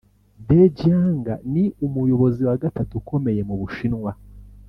Dejiang ni umuyobozi wa gatatu ukomeye mu Bushinwa